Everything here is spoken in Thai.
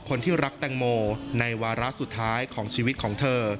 คนที่รักแตงโมในวาระสุดท้ายของชีวิตของเธอ